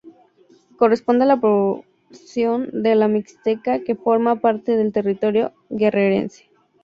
Corresponde a la porción de La Mixteca que forma parte del territorio guerrerense.